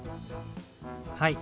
はい。